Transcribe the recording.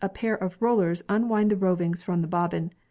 pajt of rollers un wind the rovings from the bobbin.